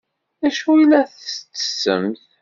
D acu ay la tettessemt?